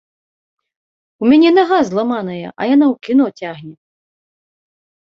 У мяне нага зламаная, а яна ў кіно цягне!